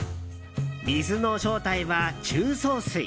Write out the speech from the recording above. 水の正体は重曹水。